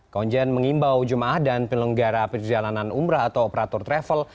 konjen mengimbau jemaah dan penyelenggara perjalanan umrah atau operator travel